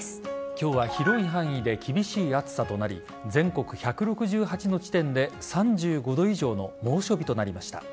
今日は広い範囲で厳しい暑さとなり全国１６８の地点で３５度以上の猛暑日となりました。